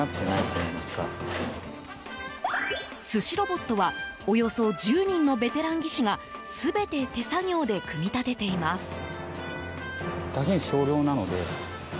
寿司ロボットはおよそ１０人のベテラン技師が全て手作業で組み立てています。